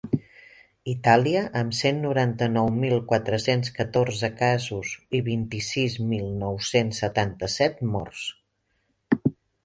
Itàlia, amb cent noranta-nou mil quatre-cents catorze casos i vint-i-sis mil nou-cents setanta-set morts.